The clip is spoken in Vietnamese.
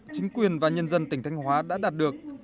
chính quyền và nhân dân tỉnh thanh hóa đã đạt được